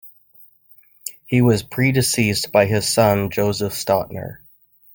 He was predeceased by his son, Joseph Stautner.